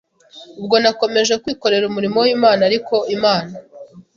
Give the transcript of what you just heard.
Ubwo nakomeje kwikorera umurimo w’Imana ariko Imana